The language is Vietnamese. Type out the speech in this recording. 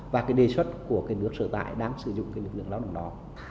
và cái đề xuất của cái nước sở tại đang sử dụng cái lực lượng lao động đó